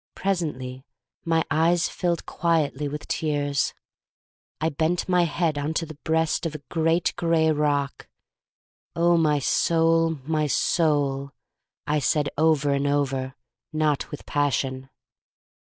Presently my eyes filled quietly with tears. I bent my head into the breast of a great gray rock. Oh, my soul, my soul, I said over and over, not with passion.